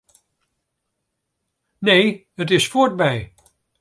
Nee, it is fuortby.